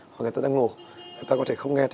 hoặc người ta đang ngủ người ta có thể không nghe theo